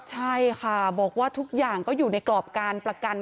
ใช่ค่ะบอกว่าทุกอย่างก็อยู่ในกรอบการประกัน